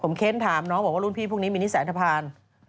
ผมเค้นถามน้องบอกว่ารุ่นพี่พรุ่งนี้มีนิสัยธรรพาณ